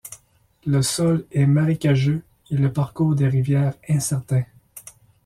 Le sol est marécageux et le parcours des rivières incertain.